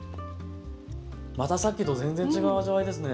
またさっきと全然違う味わいですね。